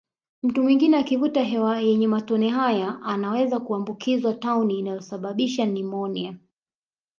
Mtu mwingine akivuta hewa yenye matone haya anaweza kuambukizwa tauni inayosababisha nyumonia